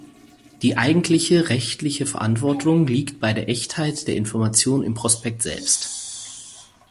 Die eigentliche rechtliche Verantwortung liegt bei der Echtheit der Information im Prospekt selbst.